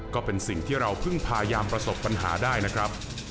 ก็เป็นสิ่งที่เราเพิ่งพยายามประสบปัญหาได้นะครับ